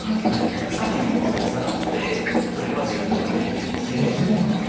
左辺をサガって取れば１５目できるので。